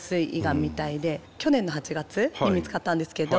去年の８月に見つかったんですけど